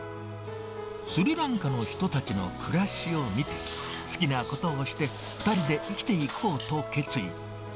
スリランカの人たちの暮らしを見て、好きなことをして、２人で生きていこうと決意。